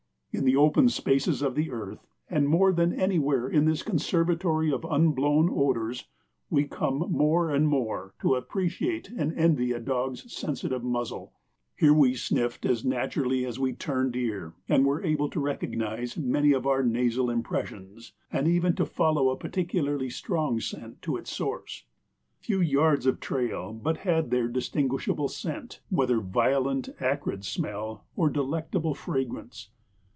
In the open spaces of the earth, and more than anywhere in this conservatory of unblown odors, we come more and more to appreciate and envy a dog's sensitive muzzle. Here we sniffed as naturally as we turned ear, and were able to recognize many of our nasal impressions, and even to follow a particularly strong scent to its source. Few yards of trail but had their distinguishable scent, whether violent, acrid smell or delectable fragrance.